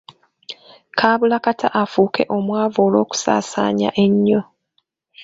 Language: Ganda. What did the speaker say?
Kaabulakata afuuke omwavu olw'okusaasaanya ennyo.